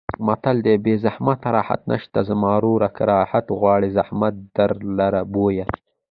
متل دی: بې زحمته راحت نشته زما وروره که راحت غواړې زحمت درلره بویه.